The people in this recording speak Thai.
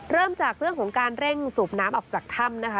เริ่มจากเรื่องของการเร่งสูบน้ำออกจากถ้ำนะคะ